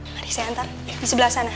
mari saya antar di sebelah sana